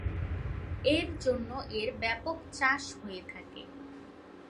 এর জন্য এর ব্যাপক চাষ হয়ে থাকে।